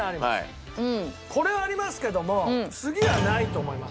これはありますけども次はないと思います。